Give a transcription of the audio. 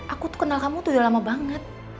aku tuh kenal kamu tuh udah lama banget